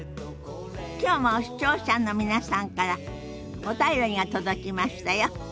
きょうも視聴者の皆さんからお便りが届きましたよ。